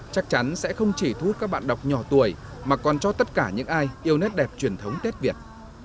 chắc chắn sẽ không chỉ thu hút các bạn đọc nhỏ tuổi mà còn cho tất cả những ai yêu nét đẹp truyền thống tết việt